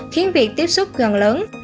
khiến việc tiếp xúc gần lớn